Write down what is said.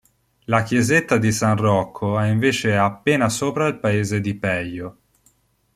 La chiesetta di San Rocco è invece appena sopra il paese di Peio.